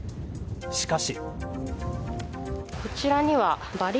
しかし。